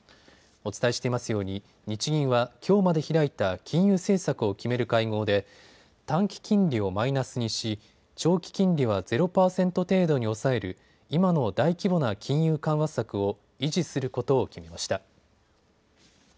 お伝えしていますように日銀はきょうまで開いた金融政策を決める会合で短期金利をマイナスにし、長期金利はゼロ％程度に抑える今の大規模な金融緩和策を維持することを決めました。